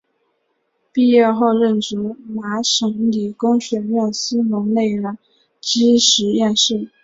毕业后任职于麻省理工学院斯龙内燃机实验室。